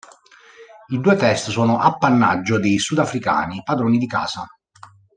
I due test sono appannaggio dei Sudafricani padroni di casa.